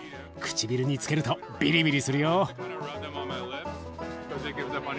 唇につけるとビリビリするよ。